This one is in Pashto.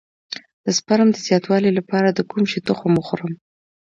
د سپرم د زیاتوالي لپاره د کوم شي تخم وخورم؟